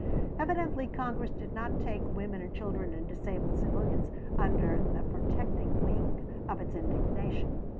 Evidently Congress did not take women and children and disabled civilians under the protecting wing of its indignation.